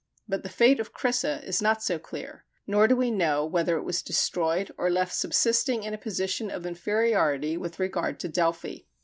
But the fate of Crissa is not so clear, nor do we know whether it was destroyed, or left subsisting in a position of inferiority with regard to Delphi.